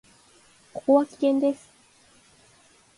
ここは危険です。